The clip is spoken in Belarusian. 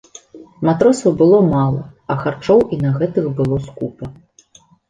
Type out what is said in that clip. Матросаў было мала, а харчоў і на гэтых было скупа.